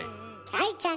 愛ちゃん